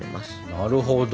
なるほど。